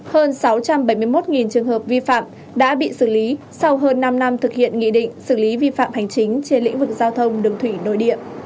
hơn sáu trăm bảy mươi một trường hợp vi phạm đã bị xử lý sau hơn năm năm thực hiện nghị định xử lý vi phạm hành chính trên lĩnh vực giao thông đường thủy nội địa